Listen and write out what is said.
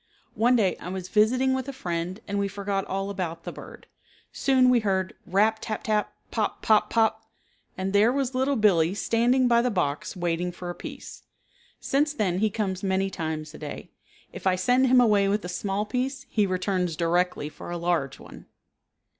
One day I was visiting with a friend and we forgot all about the bird. Soon we heard rap, tap, tap, pop, pop, pop, and there was Little Billee standing by the box waiting for a piece. Since then he comes many times a day. If I send him away with a small piece he returns directly for a large one.